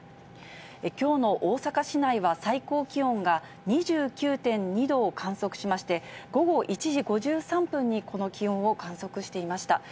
きょうの大阪市内は、最高気温が２９．２度を観測しまして、午後１時５３分にこの気温を観測していました。